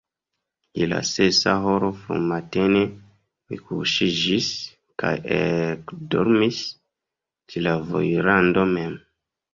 Je la sesa horo frumatene mi kuŝiĝis kaj ekdormis ĉe la vojrando mem.